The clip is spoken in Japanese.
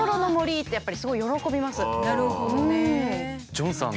ジョンさん